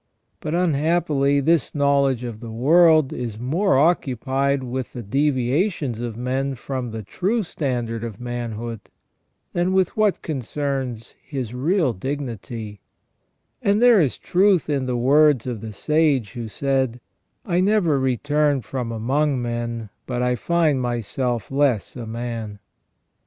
But unhappily this knowledge of the world is more occupied with the deviations of men from the true standard of manhood, than X 2 ON THE NATURE OF MAN with what concerns his real dignity; and there is truth in the words of the sage who said, " I never return from among men, but I find myself less a man